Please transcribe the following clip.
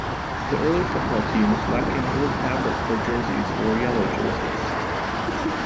The early football teams, lacking gold fabric for jerseys, wore yellow jerseys.